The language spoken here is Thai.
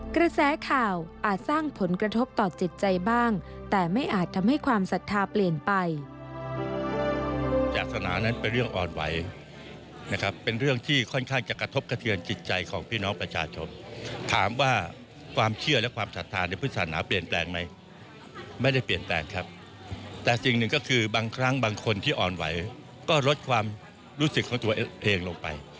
กระแสข่าวอาจสร้างผลกระทบต่อจิตใจบ้างแต่ไม่อาจทำให้ความศรัทธาเปลี่ยนไป